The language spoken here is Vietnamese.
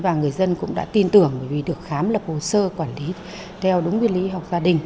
và người dân cũng đã tin tưởng bởi vì được khám lập hồ sơ quản lý theo đúng nguyên lý y học gia đình